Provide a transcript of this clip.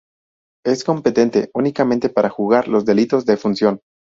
Es competente únicamente para juzgar los delitos de función.